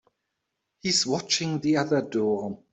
He's watching the other door.